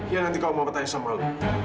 ya nanti kalau mama tanya sama lo